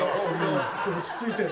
落ち着いて。